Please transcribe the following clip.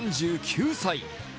３９歳。